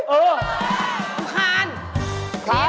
เอออุทธิ์ความคาญ